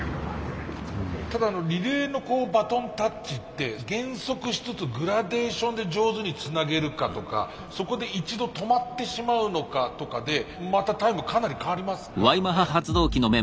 ただリレーのバトンタッチって減速しつつグラデーションで上手につなげるかとかそこで一度止まってしまうのかとかでまたタイムかなり変わりますからね。